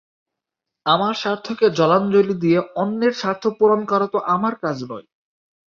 আমার স্বার্থকে জলাঞ্জলি দিয়ে অন্যের স্বার্থ পূরণ করা তো আমার কাজ নয়।